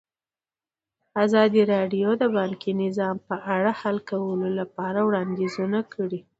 ازادي راډیو د بانکي نظام په اړه د حل کولو لپاره وړاندیزونه کړي.